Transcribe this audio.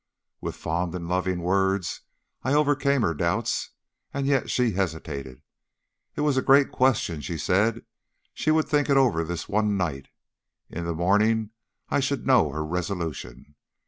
"With fond and loving words I overcame her doubts, and yet she hesitated. It was a great question, she said. She would think it over for this one night. In the morning I should know her resolution.